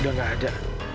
udah gak ada